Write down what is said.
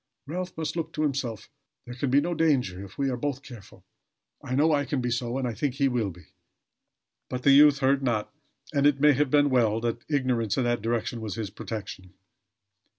Ralph must look to himself. There can be no danger if we are both careful. I know I can be so; and I think he will be." But the youth heard not; and it may have been well that ignorance in that direction was his portion.